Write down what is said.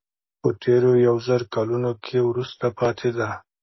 په تېرو یو زر کلونو کې وروسته پاتې ده.